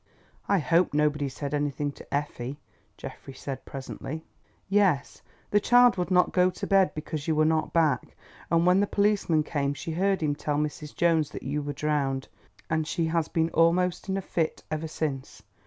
"I hope nobody said anything to Effie," Geoffrey said presently. "Yes, the child would not go to bed because you were not back, and when the policeman came she heard him tell Mrs. Jones that you were drowned, and she has been almost in a fit ever since.